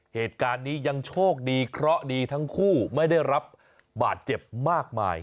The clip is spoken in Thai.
เหตุการณ์นี้ยังโชคดีเคราะห์ดีทั้งคู่ไม่ได้รับบาดเจ็บมากมาย